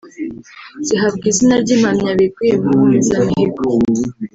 zihabwa izina ry’Impamyabigwi mu Nkomezamihigo